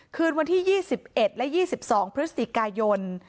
คืนวันที่๒๑และ๒๒พฤศจิกายน